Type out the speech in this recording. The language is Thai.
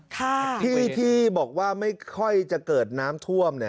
ที่ที่บอกว่าไม่ค่อยจะเกิดน้ำท่วม